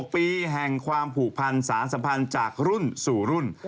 ๖ปีแห่งความผูกพันสารสัมพันธ์จากรุ่นสู่รุ่น